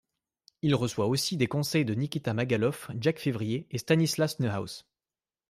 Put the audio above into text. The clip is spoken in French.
Il reçoit aussi des conseils de Nikita Magaloff, Jacques Février et Stanislas Neuhaus.